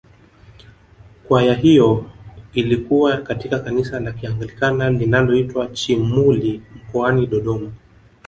Kwaya hiyo ilikuwa katika kanisa la kianglikana linaloitwa Chimuli mkoani Dodoma